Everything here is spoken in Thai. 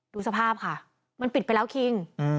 ดูสภาพค่ะมันปิดไปแล้วคิง